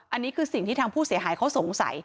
อันนี้คือสิ่งที่ทางผู้เสียหายเขาสงสัย